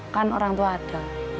kan orang tua ada